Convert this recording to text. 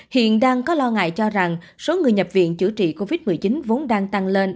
hiện đang có lo ngại cho rằng số người nhập viện chữa trị covid một mươi chín vốn đang tăng lên